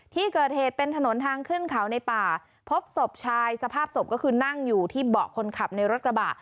ที่เกิดเหตุเป็นถนนทางขึ้นเขาในป่าพบศพชายสภาพศพก็คือนั่งอยู่ที่เบาะคนขับในรถกระบะ